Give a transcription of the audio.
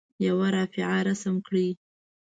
یوه رافعه رسم کړئ.